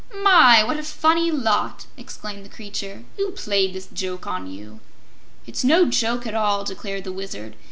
"My, what a funny lot!" exclaimed the Creature. "Who played this joke on you?" "It's no joke at all," declared the Wizard.